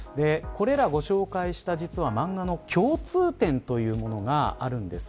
これらをご紹介したマンガの共通点というのがあるんです。